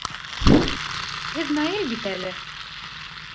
Һеҙ Наил бит эле.